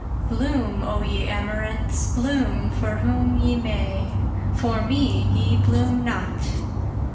Bloom, O ye amaranths! bloom for whom ye may, For me ye bloom not!